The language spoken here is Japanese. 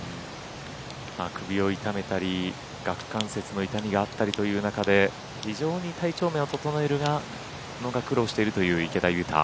首を痛めたり顎関節の痛みがあったりという中で非常に体調面を整えるのが苦労しているという池田勇太。